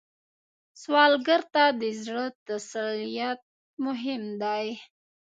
سوالګر ته د زړه تسلیت مهم دی